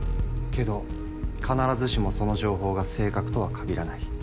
けど必ずしもその情報が正確とは限らない。